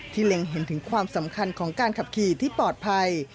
เล็งเห็นถึงความสำคัญของการขับขี่ที่ปลอดภัย